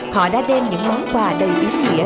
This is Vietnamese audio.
họ đã đem những món quà đầy ý nghĩa